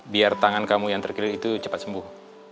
biar tangan kamu yang terkirit itu cepat sembuh